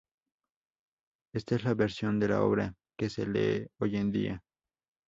Esta es la versión de la obra que se lee hoy en día.